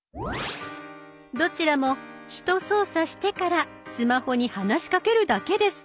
どちらもひと操作してからスマホに話しかけるだけです。